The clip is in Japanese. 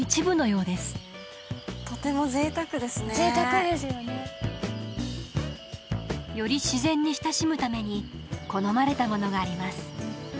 贅沢ですよねより自然に親しむために好まれたものがあります